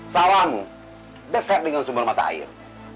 sarang dekat dengan sumber mata air